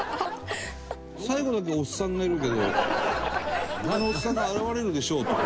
最後だけおっさんがいるけどあのおっさんが現れるでしょうって事？